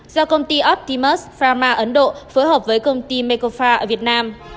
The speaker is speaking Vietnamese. do công ty optimus pharma ấn độ phối hợp với công ty mecofa ở việt nam